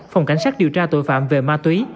phòng cảnh sát điều tra tội phạm về ma túy